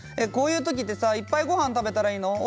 こういうときはいっぱいごはんを食べたらいいの？